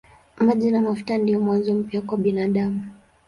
Maji na mafuta ndiyo mwanzo mpya kwa binadamu.